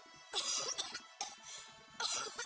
iya berhasilnya habis lagi